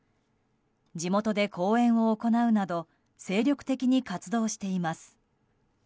地元で講演を行うなど精力的に活動しています。